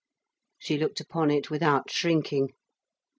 She looked upon it without shrinking.